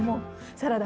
サラダ？